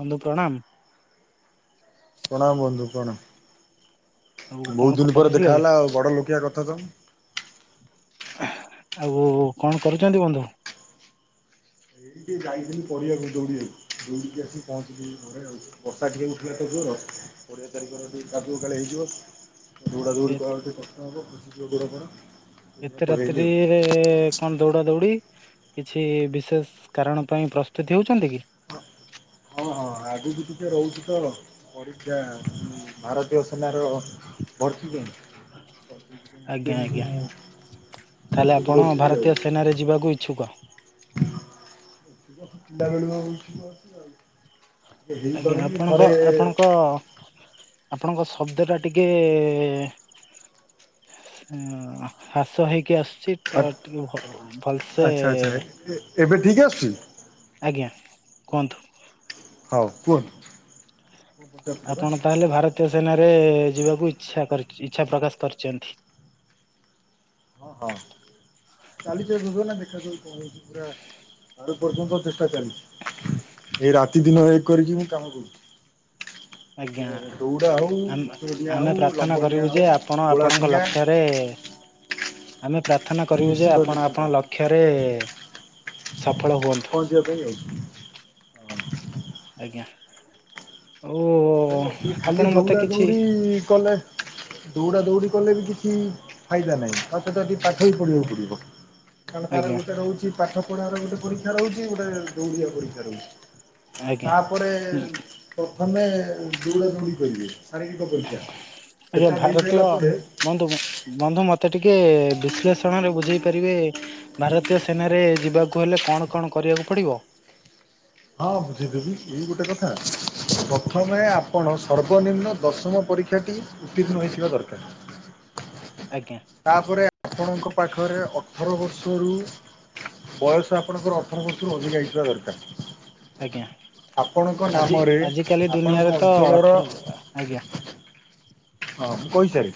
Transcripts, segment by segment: ବନ୍ଧୁ ପ୍ରଣାମ। ପ୍ରଣାମ ବନ୍ଧୁ କଣ ଆଉ କଣ ବୋହୁତ ଦିନ ପରେ କରୁଥିଲେ ଦେଖା ହେଲା ଆଉ ବଡ ଲୋକିଆ କଥା ତମ୍ ଆଉ କଣ କରୁଚନ୍ତି ବନ୍ଧୁ? ଏଇ ଟିକେ ଯାଇଥିଲି ପଡ଼ିଆକୁ ଦୌଡ଼ିଆକୁ ଦୌଡ଼ିକି ଆସି ପହଞ୍ଚିଲି ଏଇ ଘରେ ଆଉ। ବର୍ଷା ଟିକେ ଉଠେଇଲା ତ ଜୋର ପଡ଼ିଆ ଚାରିକଡ ଟିକେ କାଦୁଅ କାଳେ ହେଇଯିବ। ଦୌଡ଼ା ଦୌଡ଼ି ଏତ କଲାବେଳେ ଟିକେ କଷ୍ଟ ହବ ଖସି ଯିବା ଗୋଡ଼ ଫୋଡ଼। ସେଥିପାଇଁ ଏତେ ପଳେଇଆଇଲି ରାତିିରେ ଆଉ। ଏ କଣ ଦୌଡା ଦୌଡି କିଛି ବିଶେଷ କାରଣ ପାଇଁ ପ୍ରସ୍ତୁତି ହୋଉଚନ୍ତି କି? ହଁ ହଁ ଆଗକୁ ଟିକେ ରହୁଚି ତ ପଡିକ୍ଷା ଭାରତୀୟ ସେନାର ପ୍ରସ୍ତୁତି ପାଇଁ ଆଜ୍ଞା ଟିକେ ଆଜ୍ଞା ମୁଁ ତାହେଲେ ପ୍ରସ୍ତୁତ ଆପଣ ଭାରତୀୟ ସେନାରେ ଯିବାକୁ ଇଚ୍ଛୁକ? [inaudible] ପିଲା ବେଳୁ [unintelligible] ଆଜ୍ଞା ଆପଣଙ୍କ ଆପଣଙ୍କ ଆପଣଙ୍କ ଶବ୍ଦଟା ଟିକେ ଏ ଉଁ ହ୍ରାସ ହେଇକି ଆସୁଚି ତ ଟିକେ ଭ ଭଲସେ ଆଚ୍ଛା ଆଚ୍ଛା ଏ ଏବେ ଠିକ ଆସୁଚି? ଆଜ୍ଞା କୁହନ୍ତୁ। ହୋଉ କୁହନ୍ତୁ। ଆପଣ ତାହେଲେ ଭାରତୀୟ ସେନାରେ ଯିବାକୁ ଇଛା କରିଚି ଇଚ୍ଛା ପ୍ରକାଶ କରିଚନ୍ତି। ହଁ ହଁ। ଚାଲିଚି ଏ ଯୋଜନା ଦେଖାଯାଉ କଣ ହେଉଚି ପୁରା ପାରୁ ପର୍ଯ୍ୟନ୍ତ ଚେଷ୍ଟା ଚାଲି ଏଇ ରାତି ଦିନ ଏକ କରିକି ମୁଁ କାମ କରୁଚି। ଆଜ୍ଞା ଆମ ଡିଆଁ ହଉ ଆମେ ଲମ୍ବ ପ୍ରାର୍ଥନା ଡିଆଁ କରିବୁ ହଉ ଯେ ଆପଣ ଗୋଳା ଆପଣଙ୍କ ଫିଙ୍ଗା ଲକ୍ଷ୍ୟରେ ଆମେ ପ୍ରାର୍ଥନା କରିବୁ ଯେ ନିଶ୍ଚିତ ଆପଣ ନିଶ୍ଚିତ ଆପଣ ଲକ୍ଷ୍ୟରେ ସଫଳ ହୁଅନ୍ତୁ। ପହଞ୍ଚିବା ପାଇଁ ଆଉ। ଆଜ୍ଞା। ଓ ଇଏ ଆପଣ ଖାଲି ମତେ ଦୌଡା କିଛି ଦୌଡି କଲେ ଦୌଡା ଦୌଡି କଲେ ବି କିଛି ଫାଇଦା ନାଇଁ ତା ସହିତ ଆଉ ଟିକେ ପାଠ ବି ପଢ଼ିବାକୁ ପଡିବ। କାରଣ ତାର ଆଜ୍ଞା ଗୋଟେ ରହୁଚି ପାଠ ପଢାରେ ଗୋଟେ ପରୀକ୍ଷା ରହୁଚି ଗୋଟେ ଦୌଡିିବା ପରୀକ୍ଷା ରହୁଚି। ଆଜ୍ଞା ତାପରେ ପ୍ରଥମେ ଦୌଡ଼ା ଦୌଡି କରିବେ ଶାରୀରିକ ପରି ଆଜ୍ଞା ଭାରତୀୟ ବନ୍ଧୁ ମ ବନ୍ଧୁ ମତେ ଟିକେ ବିଶ୍ଳେଷଣରେ ବୁଝେଇ ପାରିବେ ଭାରତୀୟ ସେନାରେ ଯିବାକୁ ହେଲେ କଣ କଣ କରିବାକୁ ପଡିବ। ହଁ ବୁଝେଇଦେବି ଏଇ ଗୋଟେ କଥା। ପ୍ରଥମେ ଆପଣ ସର୍ବନିମ୍ନ ଦଶମ ପରୀକ୍ଷାଟି ଉତ୍ତୀର୍ଣ୍ଣ ହୋଇଥିବା ଦରକାର। ଆଜ୍ଞା। ତାପରେ ଆପଣଙ୍କ ପାଖରେ ଅଠର ବର୍ଷରୁ ବୟସ ଆପଣଙ୍କର ଅଠର ବର୍ଷରୁ ଅଧିକା ହେଇଥିବା ଆଜ୍ଞା ଦରକାର। ଆପଣଙ୍କ ଆଜି ନାମରେ ଆଜିକାଲି ଦୁନିଆରେ ଆପଣଙ୍କ ତ ଅଞ୍ଚଳର ଅଠର ଆଜ୍ଞା। ହଁ ମୁଁ କହିସାରେ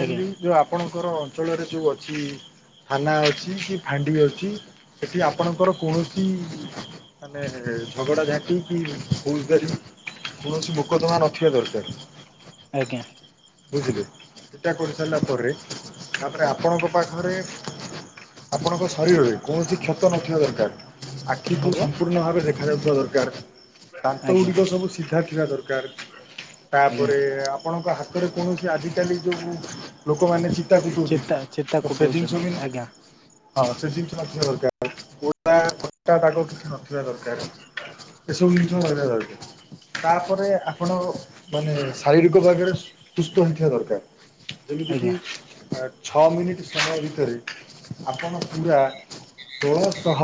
ଆଜ୍ଞା ଯୋଉ ଆପଣଙ୍କର ଅଞ୍ଚଳରେ ଯୋଉ ଅଛି ଥାନା ଅଛି କି ଫାଣ୍ଡି ଅଛି ସେଠି ଆପଣଙ୍କର କୌଣସି ମାନେ ଝଗଡା ଝାଟି କି ଫୌଜଗାରୀ କୌଣସି ମୋକଦମା ନଥିବା ଦରକାର। ଆଜ୍ଞା। ବୁଝିଲେ ଚିଠା [inaudible] କରିସାରିଲା ପରେ ତାପରେ ଆପଣଙ୍କ ପାଖରେ [inaudible] ଆପଣଙ୍କ ଶରୀରରେ କୌଣସି କ୍ଷତ ନଥିବା ଦରକାର। ଆଖିକୁୁ ଆଜ୍ଞା ସମ୍ପୂର୍ଣ୍ଣ ଭାବେ ଦେଖା ଯାଉଥିବା ଦରକାର। ଦାନ୍ତ ଆଜ୍ଞା ଗୁଡିକ ସବୁ ସିଧା ଥିବା ଦରକାର। [inaudible] ଆଜ୍ଞା ତାପରେ ଆପଣଙ୍କ ହାତରେ କୌଣସି ଆଜିକାଲି ଯେଉଁ ଲୋକମାନେ ଶ ଏା ଟାଟୁ ତ ଚିତା ଚିତା [inaudible] ଫେଟିଂ କୁଟଉଛନ୍ତି ସବୁ [inaudible] ଆଜ୍ଞା ହଁ, ସେ ଜିନିଷ ନଥିବା ଦରକାର ପା କଟା ଦାଗ କିଛି ନଥିବା ଦରକାର। [inaudible] ଏସବୁ ଜିନିଷ ଆଲା ଲାଗେ [inaudible] ତାପରେ ଆପଣ ମାନେ ଶାରୀରିକ ଭାଗରେ ସୁସ୍ଥ ହେଇଥିବା ଦରକାର। ଯେମିତି [inaudible] ଆଜ୍ଞା କିି ଛଅ ମିନିଟ୍ ସମୟ ଭିତରେ ଆପଣ ପୁରା ଷୋଳଶହ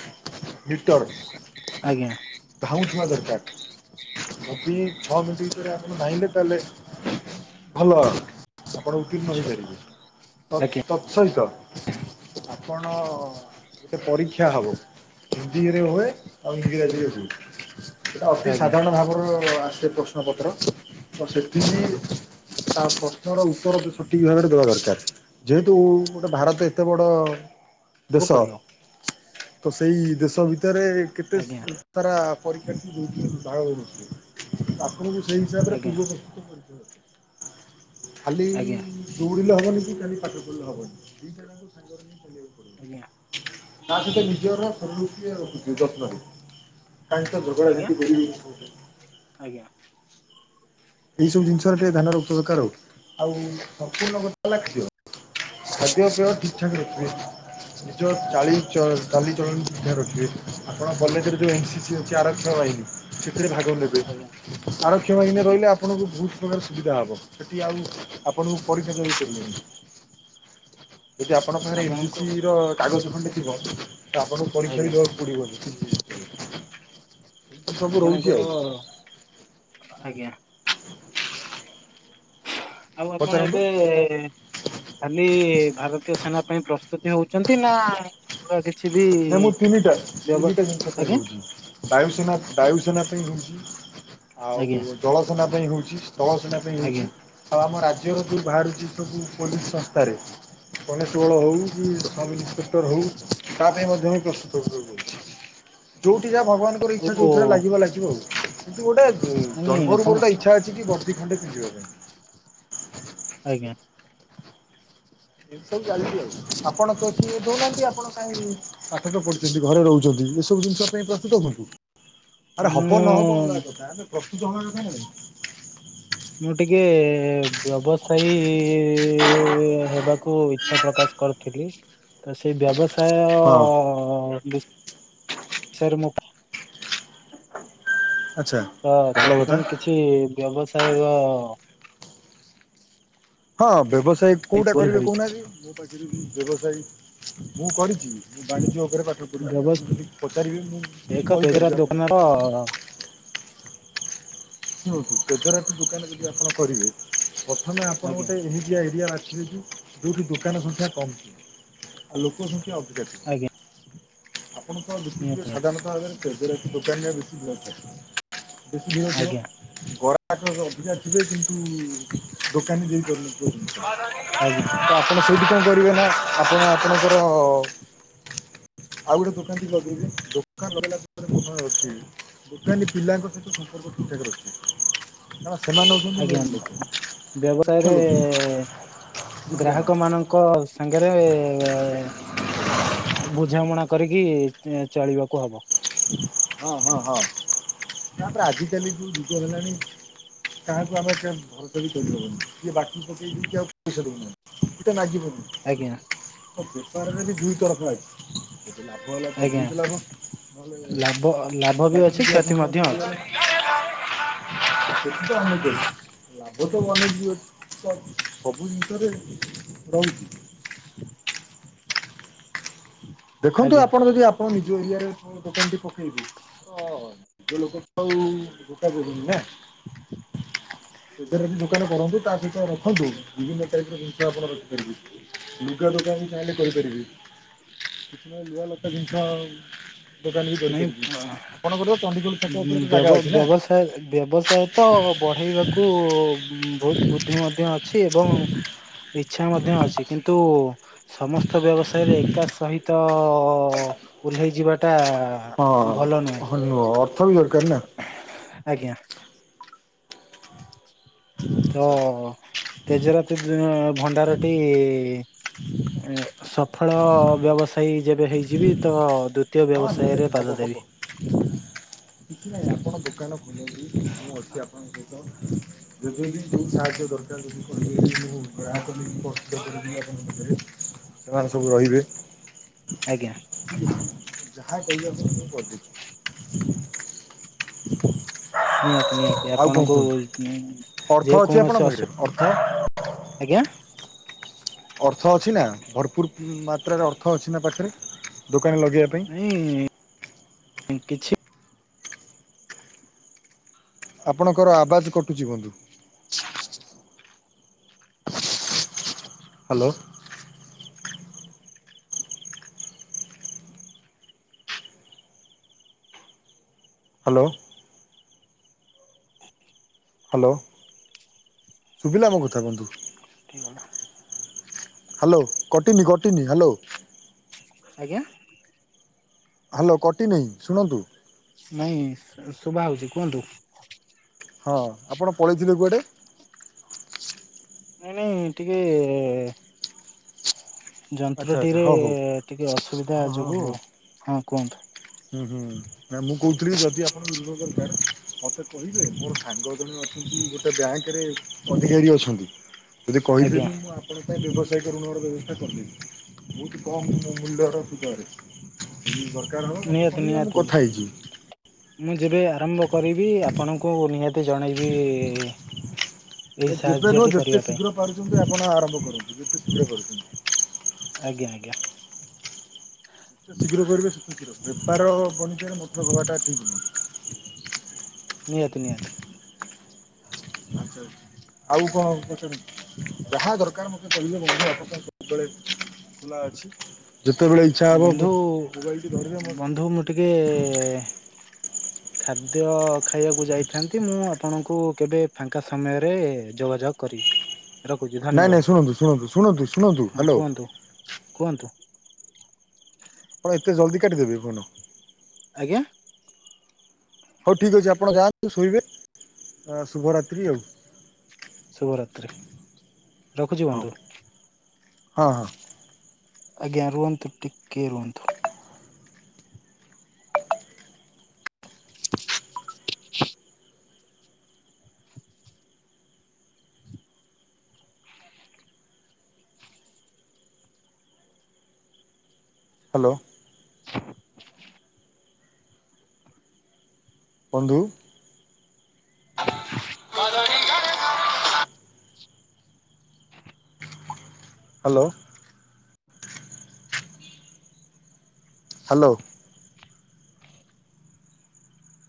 [inaudible] ମିଟର [inaudible] ଆଜ୍ଞା ଧାଉଁ ଥିବା ଦରକାର [inaudible] ମୋ ବି ଛଅ ମିନିଟ୍ ଭିତରେ ଆପଣ ଧାଇଁଲେ ତାହେଲେ [inaudible] ଭଲ ଆ ଆପଣ ଉତ୍ତୀର୍ଣ୍ଣ ଛ ହୋଇପାରିବେ ଆଜ୍ଞା [inaudible] ତତ୍ ସହିତ ଆପଣ। ଗୋଟେ ପରୀକ୍ଷା ହବ ହିନ୍ଦୀରେ ହୁଏ ଆଉ ଇଂରାଜୀରେ ହୁଏ। ସେଟା ଅତି ଆଜ୍ଞା ସାଧାରଣ ଭାବର ଆସେ ପ୍ରଶ୍ନ ପତ୍ର [inaudible] ତ ସେଠି ତା ପ୍ରଶ୍ନର ଉତ୍ତର ସଠିକ୍ ଭାବରେ ଦେବା ଦରକାର। ଯେହେତୁ ଗୋଟେ ଭାରତ ଏତେ ବଡ଼ କୁ ଦେଶ ପଡିବ [inaudible] ତ ସେଇ ଦେଶ ଭିତରେ କେତେ ଆଜ୍ଞା ସାରା ପରୀକ୍ଷାଟିକୁ ଯେ ଳନଥିଲେ [inaudible] ଆପଣଙ୍କୁ ସେଇ ହିସାବରେ ଆଜ୍ଞା ପୂର୍ବ [inaudible] ଖାଲି ଆଜ୍ଞା ଦୌଡ଼ିଲେ ହବନି। କି ଖାଲି ପାଠ ୁଲ ହବନିକୁିବ [inaudible] ଆଜ୍ଞା। ତା ସହିତ ନିଜର ସନ। ତା ସହିତ ଝଗଡ଼ା ଆଜ୍ଞା ଝାଟି କରିବିନି [inaudible] [inaudible] ଆଜ୍ଞା। ଏଇ ସବୁ ଜିନିଷରେ ଟିକେ ଧ୍ୟାନ ରଖିବା ଦରକାର [inaudible] ହଉଛି। ଆଉ ସମ୍ପୂର୍ଣ୍ଣ କଥା ଲିଥିବ ଖାଦ୍ୟ ପିଇ ଠିକ ଠାକ ରଖିବେ। ନିଜ ଚାଲିଚଳଣିଧ ରଖିବେ। ଆପଣ କଲେଜରେ ଯ ଏ ଅ ଆରକ୍ଷ ବାହିନୀ ସେଥିରେ ଭାଗ ନେବେ ଆଜ୍ଞା [inaudible] ଆର କଷମାେ ଆଜ୍ଞା ରହିଲେ। ଆପଣଙ୍କୁ ବହୁତ ପ୍ରକାର ସୁବିଧା ହବ। ସେଠି ଆଉ ଆପଣଙ୍କୁ ପରିକ୍ଷ ଦେଇପାରିବେ। [inaudible] ଯଦି ଆପଣ ପାଖରେ ଏନ୍ସି ଆପଣଙ୍କୁ ସି ର କାଗଜ ଖଣ୍ଡେ ଥିବ। ତ ଆପଣଙ୍କୁ ପରୀକ୍ଷା ଆଜ୍ଞା ବି [inaudible] ଏ ସବୁ ରହୁଛି ଆପଣଙ୍କର ଆଉ। [inaudible] ଆଜ୍ଞା। ଆଉ ଆପଣ ପଚାରନ୍ତୁ। ଏବେ। ଖାଲି ଭାରତୀୟ ସେନା ପାଇଁ ପ୍ରସ୍ତୁତି ହଉଛନ୍ତି। ନା ବା କିଛି ବି ନାଇ ମୁଁ ତିନିଟା ବ୍ୟବ ତିନିଟା ଜିନିଷ ପାଇଁ ଆଜ୍ଞା ହଉଛି ବାୟୁସେନା ବାୟୁସେନା ପାଇଁ ହଉଛି ଆଜ୍ଞା ଆଉ ଜଳସେନା ପାଇଁ ହଉଛି ସ୍ଥଳ ସେନା ଆଜ୍ଞା ହେଇଛି ଆଉ ଆମ ରାଜ୍ୟର ଯୋଉ ବାହାରୁଛି ସବୁ ପୋଲିସ ସଂସ୍ଥାରେ କନେଷ୍ଟବଳ ହଉ କି ସବ୍ଇନ୍ସପେକ୍ଟର ହଉ ତା ପାଇଁ ମଧ୍ୟ ବି ପ୍ରସ୍ତୁତକୁଛି ଯଉଠି ଯା ଭଗବାନଙ୍କର ଆଉ ଇଚ୍ଛା ଯଉଥିରେ ଲାଗିବ ଲାଗିବ ଆଉ କିନ୍ତୁ ଗୋଟେ ମାନେ ଜନ୍ମରୁ ଆପଣ ମୋର ଗୋଟେ ଇଚ୍ଛା ଅଛି କି ବର୍ଦ୍ଦିଖଣ୍ଡେ ପିନ୍ଧିବା ପାଇଁ ଆଜ୍ଞା ସବୁ ଚାଲିଛି ଆଉ ଆପଣ କେଉଠି ଦଉନାହାନ୍ତି ଆପଣ କାଇଁ ପାଠତ ପଢୁଚନ୍ତି ଘରେ ରହୁଚନ୍ତି ଏସବୁ ଜିନିଷ ପାଇଁ ପ୍ରସ୍ତୁତ ହୁଅନ୍ତୁ। ଆରେ ହବ ନହବ ମୁଁ ଅଲଗା କଥା ଆଗେ ପ୍ରସ୍ତୁତ ହବା କଥା ନା ନାଇଁ। ମୁଁ ଟିକେ ବ୍ୟବସାୟୀ ହେବାକୁ ଇଛା ପ୍ରକାଶ କରିଥିଲି ତ ସେ ବ୍ୟବସ୍ ହଁ ଅ-ବିଷୟରେ ମୁଁ ଆଚ୍ଛା। ତ ଭଲ କଥା ସେଥିପାଇଁ କିଛି ବ୍ୟବସାୟକ ହଁ ବ୍ୟବସାୟ କରିବି କଉଟା ବୋଲି କରିବେ ଭାବିଛି। କହୁନାହାନ୍ତି? ମୋ ପାଖରୁ ବ୍ୟବସାୟ ମୁଁ କରିଚି ମୁଁ ବାଣିଜ୍ୟ ଉପରେ ପା କରୁଚି ବ୍ୟବସାୟ ଆପଣଙ୍କୁ ଟିକେ ପଚାରିବେ ମୁଁ କହିପାରିବି ଆପଣଙ୍କୁ ହଁ। ହୁଁ -ହୁଁ ତେଜରାତି ଦୋକାନ ଯଦି ଆପଣ କରିବେ ପ୍ରଥମେ ଆପଣ ଆଜ୍ଞା ଗୋଟେ ଏମିତିଆ ଏରିଆ ବାଛିବେ କି ଯଉଠି ଦୋକାନ ସଂଖ୍ୟା କମ୍ ଥିବ ଆଉ ଲୋକ ସଂଖ୍ୟା ଅଧିକା ଥିବ। ଆଜ୍ଞା। ଆପଣ କଣ ନିହାତି ଦେଖିଥିବେ ନିହାତି ସାଧାରଣତଃ ଭାବରେ ତେଜରାତି ଦୋକାନରେ ବେଶୀ ଭିଡ ଥାଏ। ବେଶୀ ଭିଡ ଥିବ। ଆଜ୍ଞା ଗରାଖ ଅଧିକା ଥିବେ କିନ୍ତୁ ଦୋକାନୀ ଦେଇପାରୁନଥିବେ। ଆଜ୍ଞା ତ ଆପଣ ସେଇଠି କଣ କରିବେ ନା ଆପଣ ଆପଣଙ୍କର ଆଉ ଗୋଟେ ଦୋକାନ ଟିଏ ଲଗେଇବେ ଦୋକାନ ଲଗେଇଲା ପରେ [unintelligible] ଦୋକାନୀ ପିଲାଙ୍କ ସହିତ ସମ୍ପର୍କ ଠିକ୍ ଠାକ୍ ରଖିବେ। କାରଣ ସେମାନେ ହଉଚନ୍ତି ଆଜ୍ଞା ମେନ୍ ଲୋକ ବ୍ୟବସାୟରେ ବୁଝିଲେ ନା ଗ୍ରାହକ ମାନଙ୍କ ସାଙ୍ଗେରେ ବୁଝାମଣା କରିକି ଚଳିବାକୁ ହବ। ହଁ -ହଁ -ହଁ ତାପରେ ଆଜିକାଲି ଯଉ ଯୁଗ ହେଲାଣି କାହାକୁ ଆମେ ଏତେ ଭରସା ବି କରିହବନି କିଏ ବାକି ପକେଇକି ଆଉ ପଇସା ଦଉନାହାନ୍ତି। [unintelligible] ମାଗିବୁନି। ଆଜ୍ଞା। ବେପାରରେ ବି ଦୁଇ ତରଫା ଅଛି ଯଦି ଲାଭ ହେଲା ତ ଆଜ୍ଞା ବହୁତୁ ଲାଭ ନହେଲେ ଲାଭ -ଲାଭ ବି ବାକି ଅଛି କ୍ଷତି ଆପଣଙ୍କର ମଧ୍ୟ କରିବା ଅଛି। [unintelligible] ଲାଭ ତ ବନିଯିବ ତ ସବୁ ଜିନିଷରେ ରହୁଚି [unintelligible] ଦେଖନ୍ତୁ ଆଜ୍ଞା ଆପଣ ଯଦି ଆପଣ ନିଜେ ଏରିଆରେ ଦୋକାନଟି ପକେଇବେ ତ ନିଜ ଲୋକ ଆଉ ଧୋକା ଦବୁନି ନା। [unintelligible] ତେଜରାତି ଦୋକାନ କରନ୍ତୁ ତା ସହିତ ରଖନ୍ତୁ ବିଭିନ୍ନ ସାଇଟିର ଜିନିଷ ଆପଣ ରଖିପାରିବେ। ଲୁଗା ଦୋକାନ ଚାହିଁଲେ କରିପାରିବେ। [unintelligible] ଲୁହା ଲତା ଜିନିଷ ଦୋକାନ ବି ନାଇଁ କରିପାରିବେ ଆପଣଙ୍କର ଚଣ୍ଡିଖୋଲ ଛକ ଉପରେ ଗୋଟେ ବ୍ୟବ ଜାଗା ଅଛି ନା? ବ୍ୟବସାୟ ବ୍ୟବସାୟ ତ ବଢେଇବାକୁ ବହୁତ୍ ବୁଦ୍ଧି ମଧ୍ୟ ଅଛି ଏବଂ ଇଛା ମଧ୍ୟ ଅଛି କିନ୍ତୁ ସମସ୍ତ ବ୍ୟବସାୟରେ ଏକା ସହିତ ଓହ୍ଲେଇ ଯିବାଟା ଭଲ ନୁହେଁ ହଁ- ହ ଅର୍ଥ ବି ଦରକାର୍ ନା। ଆଜ୍ଞା। ତ ଆଚ୍ଛା ତେଜରାତି ଯ-ଭଣ୍ଡାରଟି ସଫଳ ବ୍ୟବସାୟୀ ଯେବେ ହେଇଯିବି ତ ଦୁ ଦ୍ୱିତୀୟ ହଁ ନିହାତି ବ୍ୟବସାୟରେ ହବ ପାଦ ହବ ଦେବି। କିଛି ନାହିଁ ଆପଣ ଦୋକାନ ଖୋଲନ୍ତୁ ମୁଁ ଅଛି ଆପଣଙ୍କ ସହିତ। ଛ [inaudible] ଯେବେବି ଯେଉଁ ସାହାଯ୍ୟ ଦରକାର ଯଦି କହିବେ ବି ମୁଁ [inaudible] ସେମାନେ ସବୁ ରହିବେ। ଆଜ୍ଞା। ଯାହା କହିବେ ଆପଣ ମୁଁ କରିଦେବି। ହ [inaudible] ନିହାତି ନିହାତି ଆପଣଙ୍କୁ ଅର୍ଥ ଯେ ଅଛି ଆପଣଙ୍କ କୌଣସି ଅସୁ [inaudible] ଆଜ୍ଞା। ଅର୍ଥ ଅଛି ନା ଭରପୁର ମାତ୍ରାରେ ଅର୍ଥ ଅଛି ନା ପାଖରେ ଦୋକାନ ରେ ଲଗେଇବା ପାଇଁ? ନାଇଁ କିଛି ଆପଣଙ୍କର ଆବାଜ କଟୁଚି ବନ୍ଧୁ। ହାଲୋ। ହାଲୋ। ହାଲୋ ଶୁବିଲା ମୋ କଥା ବନ୍ଧୁ? [unintelligible] ହାଲୋ କଟିନି କଟିନି ହାଲୋ। ଆଜ୍ଞା। ହାଲୋ କଟିନେଇଁ ଶୁଣନ୍ତୁ। ନାଇଁ ଶୁବା ହଉଚି କୁହନ୍ତୁ। ହଁ ଆପଣ ପଳେଇଥିଲେ କୁଆଡେ? ନାଇଁ ନାଇଁ ଟିକେ ଆଚ୍ଛା ଆଚ୍ଛା ଯନ୍ତ୍ରଟିରେ ହଉ ହଉ ଟିକେ ଅସୁବିଧା ହଁ ହଁ ଯୋଗୁ ହଁ ହଁ କୁହନ୍ତୁ। ହୁଁ ହୁଁ ନା ମୁଁ କୋଉଥିଲି କି ଯଦି ଆପଣଙ୍କୁ ଋଣ ଦରକାର ମତେ କହିବେ ମୋର ସାଙ୍ଗ ଜଣେ ଅ [unintelligible] ଗୋଟେ ବ୍ୟାଙ୍କରେ ଅଧିକାରୀ ଅଛନ୍ତି ଯଦି କହିଦେବେ ଆଜ୍ଞା ମୁଁ ଆପଣଙ୍କ ପାଇଁ ବ୍ୟବସାୟିକ ଋଣର ବ୍ୟବସ୍ଥା କରିଦେବି। ବହୁତ କମ୍ ମୂ-ମୂଲ୍ୟର ସୁଧରେ [unintelligible] ଦରକାର ହବ ମତେ ନିହାତି କହିବେ ମୁଁ ନିହାତି କଥା ହେଇଯିବି। ମୁଁ ଯେବେ ଆରମ୍ଭ କରିବି ଆପଣଙ୍କୁ ନିହାତି ଜଣେଇବି। ଏଇ ନା ଯେବେ ନୁହଁ ସାହାଯ୍ୟଟି ଯେତେ କରିବା ପାଇଁ ଶୀଘ୍ର ପାରୁଛନ୍ତି ଆପଣ ଆରମ୍ଭ କରନ୍ତୁ ଯେତେ ଶୀଘ୍ର ପାରୁଚନ୍ତି। ଆଜ୍ଞା ଆଜ୍ଞା। ଯେତେ ଶୀଘ୍ର ପାରୁଚ ସେତେ ଶୀଘ୍ର ବେପାର ବଣିଜ ରେ [unintelligible] ହବାଟା ଠିକ ନୁହେଁ। ନିହାତି ନିହାତି। ଆଚ୍ଛା। ଆଉ କଣ କରଚନ୍ତି? ଯାହା ଦରକାର ମୋତେ କହିଲେ ବନ୍ଧୁ [inaudible] ଖୁଲା ଅଛି ଯେତବେଳେ ଇଚ୍ଛା ହବ ବନ୍ଧୁ ମୋ ମୋବାଇଲ୍ ଟି ଧରିବେ ମୋ ବନ୍ଧୁ ମୁଁ ଟିକେ ଖାଦ୍ୟ ଖାଇବାକୁ ଯାଇଥାନ୍ତି ମୁଁ ଆପଣଙ୍କୁ କେବେ ଫାଙ୍କା ସମୟରେ ଯୋଗାଯୋଗ କରିବି। ରଖୁଛି ନାଇଁ ଧନ୍ୟବାଦ ନାଇଁ ଶୁଣନ୍ତୁ ଶୁଣନ୍ତୁ ଶୁଣନ୍ତୁ ଶୁଣନ୍ତୁ ହଁ ହାଲୋ। କୁହନ୍ତୁ କୁହନ୍ତୁ। ଆପଣ ଏତେ ଜଲଦ କାଟିଦେବେ ଫୋନ। ଆଜ୍ଞା। ହଉ ଠିକ୍ ଅଛି ଆପଣ ଯାଆନ୍ତୁ ଶୋଇବେ ଅ ଶୁଭରାତ୍ରି ଆଉ। ଶୁଭରାତ୍ରି ରଖୁଚି ହଉ ବନ୍ଧୁ। ହଁ ହଁ ଆଜ୍ଞା ରୁହନ୍ତୁ ଟିକଏ ରୁହନ୍ତୁ। [inaudible] ହାଲୋ। [inaudible] ବନ୍ଧୁ। [inaudible] ହାଲୋ। ହାଲୋ।